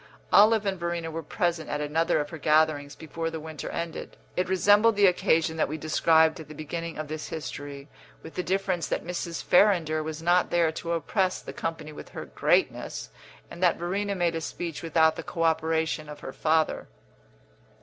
Olive and Verena were present at another of her gatherings before the winter ended; it resembled the occasion that we described at the beginning of this history, with the difference that Mrs. Farrinder was not there to oppress the company with her greatness, and that Verena made a speech without the co operation of her father.